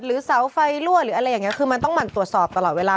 เสาไฟรั่วหรืออะไรอย่างนี้คือมันต้องหั่นตรวจสอบตลอดเวลา